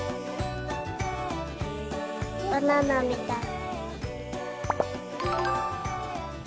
バナナみたい。